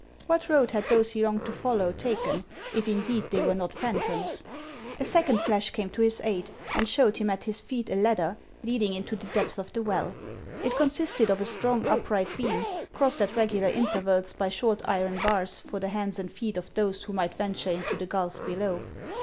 What road had those he longed to follow taken, if indeed they were not phantoms ? A second flash came to his aid, and showed him at his feet a ladder leading into the depths of the well. It consisted of a strong upright beam, crossed at regular intervals by short iron bars for the hands and feet of those who might venture into the gulf below.